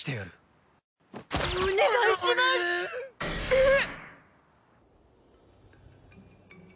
えっ！？